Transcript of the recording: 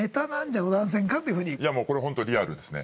これホントリアルですね。